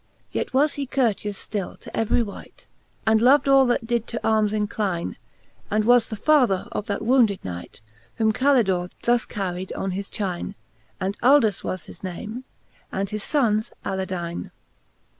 Yet was he courteous ftill to every wight, And loved all that did to armes incline j And was the father of that wounded Knight, Whom Calidore thus carried on his chine, And Aldus was his name, and his fonnes Alad'tne, IV.